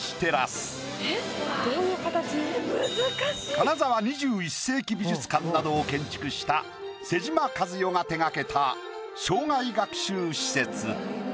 金沢２１世紀美術館などを建築した妹島和世が手がけた生涯学習施設。